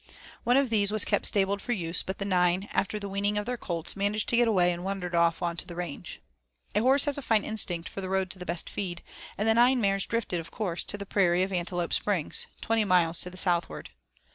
One of these was kept stabled for use, but the nine, after the weaning of their colts, managed to get away and wandered off on the range. A horse has a fine instinct for the road to the best feed, and the nine mares drifted, of course, to the prairie of Antelope Springs, twenty miles to the southward.